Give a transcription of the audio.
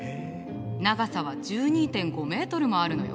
長さは１２．５メートルもあるのよ。